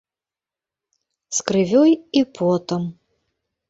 З крывёй і потам.